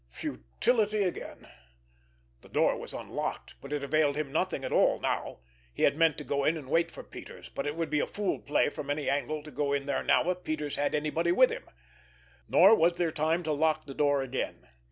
Futility again! The door was unlocked, but it availed him nothing at all now. He had meant to go in and wait for Peters, but it would be a fool play from any angle to go in there now if Peters had anybody with him. Nor was there time to lock the door again.